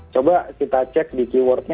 coba kita cek di keywordnya